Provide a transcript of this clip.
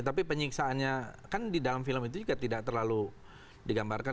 tapi penyiksaannya kan di dalam film itu juga tidak terlalu digambarkan